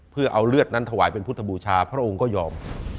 เพื่อเอาเลือดนั้นถวายเป็นพุทธบูชาพระองค์ก็ยอม